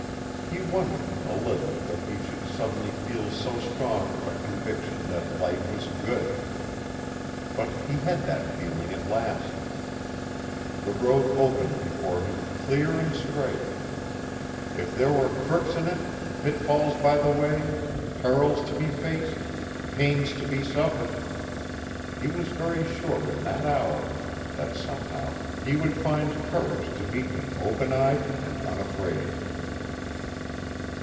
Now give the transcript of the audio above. He wondered a little that he should suddenly feel so strong a conviction that life was good. But he had that feeling at last. The road opened before him clear and straight. If there were crooks in it, pitfalls by the way, perils to be faced, pains to be suffered, he was very sure in that hour that somehow he would find courage to meet them open eyed and unafraid.